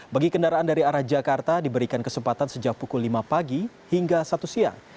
bagi kendaraan dari arah jakarta diberikan kesempatan sejak pukul lima pagi hingga satu siang